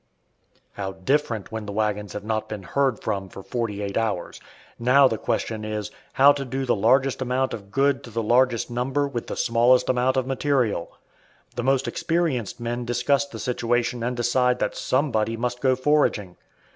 How different when the wagons have not been heard from for forty eight hours. Now the question is, how to do the largest amount of good to the largest number with the smallest amount of material? The most experienced men discuss the situation and decide that "somebody" must go foraging.